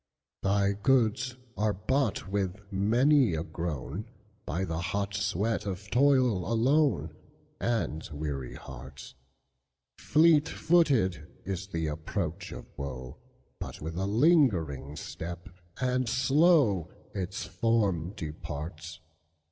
Thy goods are bought with many a groan, By the hot sweat of toil alone, And weary hearts; Fleet footed is the approach of woe, But with a lingering step and slowIts form departs.